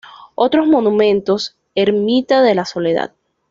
Otros monumentos: Ermita de la Soledad.